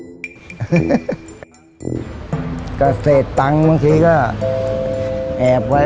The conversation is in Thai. เมื่อกี๊กระเศษตังค์บางทีก็แอบไว้